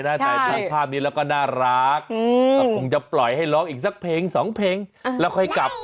แล้วดูหน้าแม่หน้าแม่บอกจะนอนบ้านภรแต่โดนแพ่งกระบาน